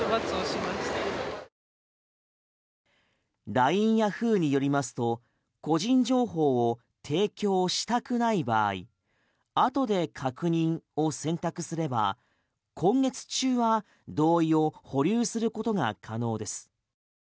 ＬＩＮＥヤフーによりますと個人情報を提供したくない場合あとで確認を選択すれば今月中は同意を保留することが可能です。